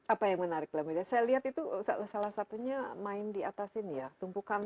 apa yang menarik lah saya lihat itu salah satunya main diatasin ya tumpukan